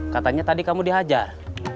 katanya tadi kamu dihajar